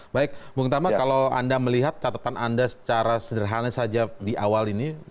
baik bung tama kalau anda melihat catatan anda secara sederhana saja di awal ini